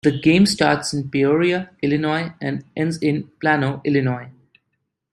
The game starts in Peoria, Illinois and ends in Plano, Illinois.